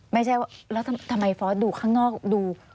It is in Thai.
ไม่ใช่ว่าแล้วทำไมฟอร์สดูข้างนอกดู